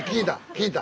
聞いた。